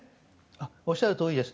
おっしゃるとおりです。